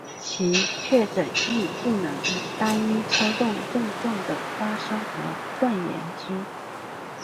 其确诊亦不能以单一抽动症状的发生而断言之。